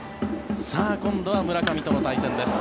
今度は村上との対戦です。